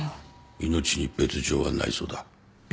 命に別条はないそうだ。